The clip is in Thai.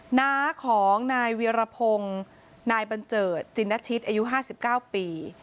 หน้าของนายเวียรพงศ์นายบัญเจิดจินชิตอายุ๕๙ปี